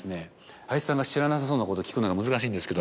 林さんが知らなさそうなことを聞くのが難しいんですけど。